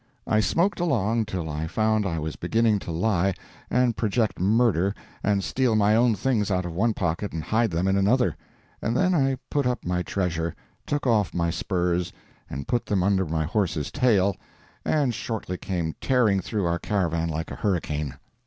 I smoked along till I found I was beginning to lie, and project murder, and steal my own things out of one pocket and hide them in another; and then I put up my treasure, took off my spurs and put them under my horse's tail, and shortly came tearing through our caravan like a hurricane.